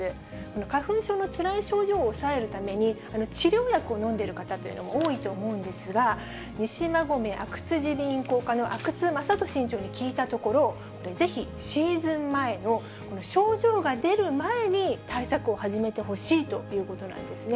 花粉症のつらい症状を抑えるために、治療薬を飲んでいる方というのも多いと思うんですが、西馬込あくつ耳鼻咽喉科の阿久津征利院長に聞いたところ、ぜひ、シーズン前の症状が出る前に対策を始めてほしいということなんですね。